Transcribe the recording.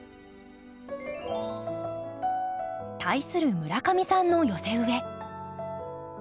対する村上さんの寄せ植え。